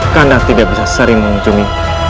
karena tidak bisa sering mengunjungi